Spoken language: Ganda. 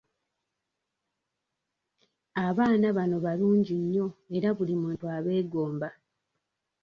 Abaana bano balungi nnyo era buli muntu abeegomba.